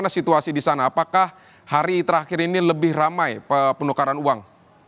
bagaimana situasi di sana apakah hari terakhir ini lebih ramai penukaran uang